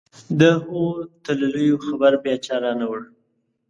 د هغو تللیو خبر بیا چا رانه وړ.